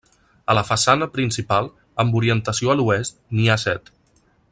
A la façana principal, amb orientació a l'oest, n'hi ha set.